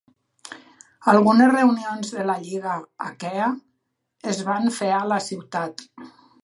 Algunes reunions de la lliga Aquea es van fer a la ciutat.